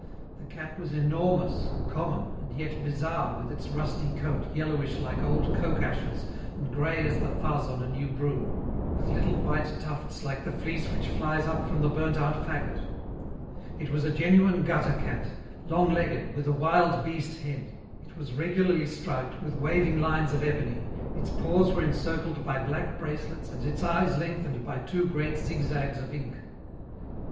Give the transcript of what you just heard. The cat was enormous, common, and yet bizarre with its rusty coat yellowish like old coke ashes and grey as the fuzz on a new broom, with little white tufts like the fleece which flies up from the burnt out faggot. It was a genuine gutter cat, long legged, with a wild beast head. It was regularly striped with waving lines of ebony, its paws were encircled by black bracelets and its eyes lengthened by two great zigzags of ink.